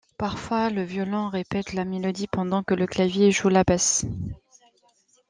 Parfois, le violon répète la mélodie pendant que le clavier joue la basse.